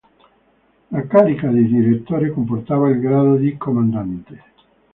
La carica di direttore comportava il grado di comandante.